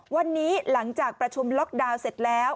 วันนี้หลังจากประชุมล็อกดาวน์เสร็จแล้ว